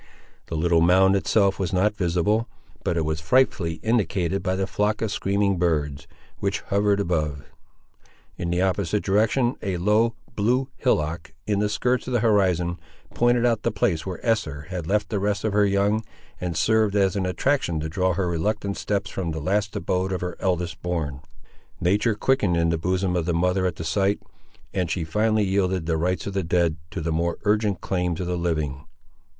The little mound itself was not visible; but it was frightfully indicated by the flock of screaming birds which hovered above. In the opposite direction a low, blue hillock, in the skirts of the horizon, pointed out the place where Esther had left the rest of her young, and served as an attraction to draw her reluctant steps from the last abode of her eldest born. Nature quickened in the bosom of the mother at the sight; and she finally yielded the rights of the dead, to the more urgent claims of the living.